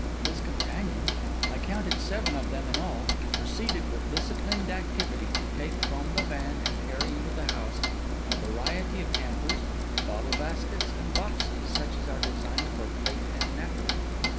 His companions—I counted seven of them in all—proceeded, with disciplined activity, to take from the van and carry into the house a variety of hampers, bottle baskets, and boxes, such as are designed for plate and napery.